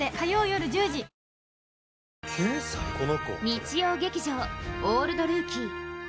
日曜劇場「オールドルーキー」。